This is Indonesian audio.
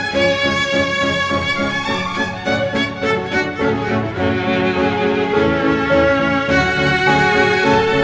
mama bangun mas